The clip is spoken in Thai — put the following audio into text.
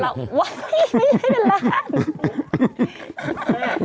ไม่ไม่ใช่เป็นล้าน